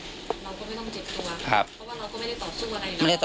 เพราะว่าเราก็ไม่ได้ต่อสู้อะไรเลยครับ